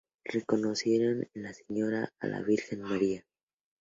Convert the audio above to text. Reconocieron en la Señora a la Virgen María.